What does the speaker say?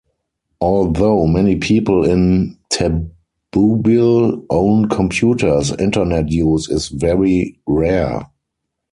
Although many people in Tabubil own computers, Internet use is very rare.